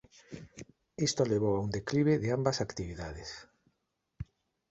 Isto levou a un declive de ambas actividades.